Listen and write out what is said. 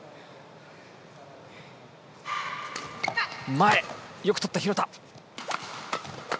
前よくとった廣田。